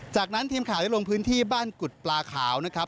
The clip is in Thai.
จากนั้นทีมข่าวได้ลงพื้นที่บ้านกุฎปลาขาวนะครับ